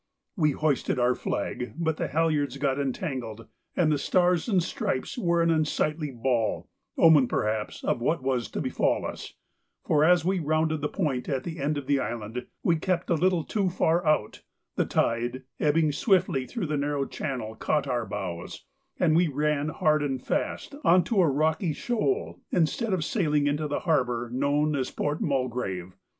We had hoisted our flag, but the halliards got entangled and the Stars and Stripes were an unsightly ball, omen perhaps of what was to befall us, for as we rounded the point at the end of the island, we kept a little too far out, the tide, ebbing swiftly through the narrow channel, caught our bows, and we ran hard and fast on to a rocky shoal instead of sailing into the harbour known as Port Mulgrave.